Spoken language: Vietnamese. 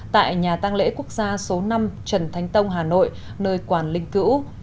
tại nhà tăng lễ quốc gia số năm trần thánh tông hà nội nơi quản linh cữu